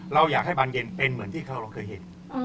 เราอยากให้บานเย็นเป็นเหมือนที่เราเคยเห็น